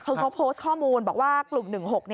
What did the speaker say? คือเขาโพสต์ข้อมูลบอกว่ากลุ่ม๑๖